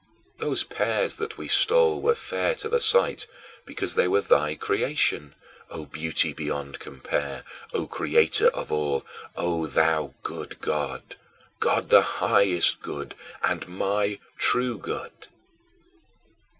Those pears that we stole were fair to the sight because they were thy creation, O Beauty beyond compare, O Creator of all, O thou good God God the highest good and my true good.